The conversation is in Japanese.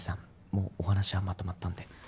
もうお話はまとまったんで。